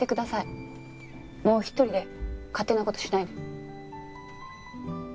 もう一人で勝手な事しないで。